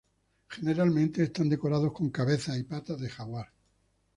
Generalmente están decorados con cabezas y patas de jaguar.